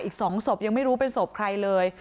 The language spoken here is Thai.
อีก๒ศพยังไม่รู้เป็นศพใครเลย